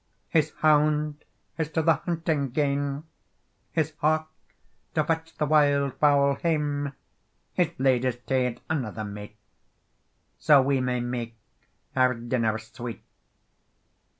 "His hound is to the hunting gane, His hawk to fetch the wild fowl hame, His lady's ta'en another mate, So we may make our dinner sweet.